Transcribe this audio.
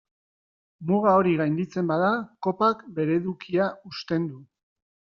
Muga hori gainditzen bada, kopak bere edukia husten du.